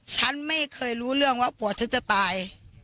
ฉันไม่เคยรู้เรื่องว่าผัวฉันจะตาย